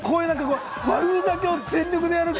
悪ふざけを全力でやる。